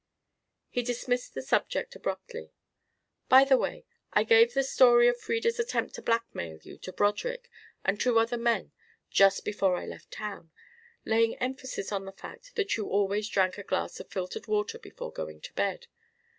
He dismissed the subject abruptly. "By the way, I gave the story of Frieda's attempt to blackmail you to Broderick and two other men just before I left town laying emphasis on the fact that you always drank a glass of filtered water before going to bed.